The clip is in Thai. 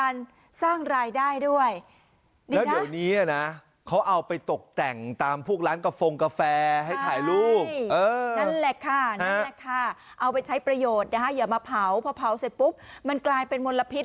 อย่ามาเผาเพราะเผาเสร็จปุ๊บมันกลายเป็นมลพิษ